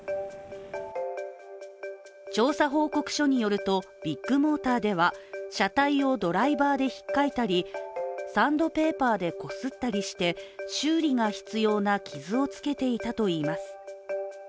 調査報告書によるとビッグモーターでは車体をドライバーでひっかいたりサンドペーパーでこすったりして修理が必要な傷をつけていたといいます。